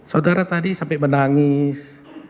saudara tadi sampai menangis